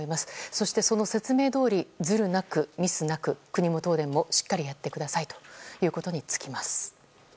そして説明どおりずるなく、ミスなく国も東電もしっかりやってくださいということに尽きます。